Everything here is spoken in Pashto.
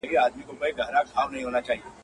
چي خوله ئې راکړې ده، رزق هم راکوي.